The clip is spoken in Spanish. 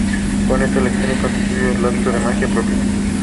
Con esas lecciones construyó un acto de magia propio.